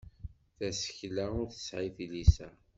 Tasekla ur tesɛi tilisa.